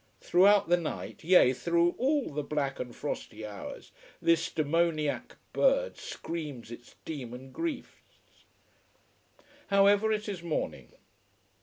Throughout the night yea, through all the black and frosty hours this demoniac bird screams its demon griefs. However, it is morning.